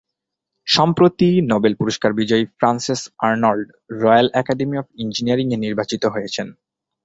সম্প্রতি, নোবেল পুরস্কার বিজয়ী Frances Arnold Royal Academy of Engineering -এ নির্বাচিত হয়েছেন।